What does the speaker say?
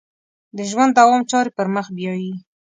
د ژوند دوام چارې پر مخ بیایي.